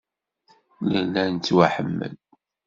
Nella nettwaḥemmel.